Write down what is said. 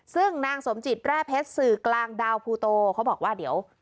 ซึ่งนางสมจิตแร่เพชรสื่อกลางดาวภูโตเขาบอกว่าเดี๋ยว